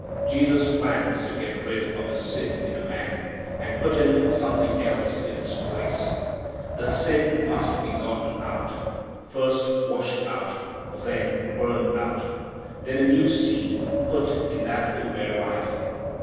Jesus plans to get rid of the sin in a man, and put in something else in its place. The sin must be gotten out, first washed out, then burned out. Then a new seed put in that will bear life.